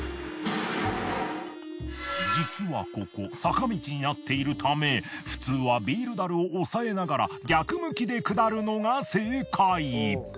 実はここ坂道になっているため普通はビール樽を押さえながら逆向きで下るのが正解。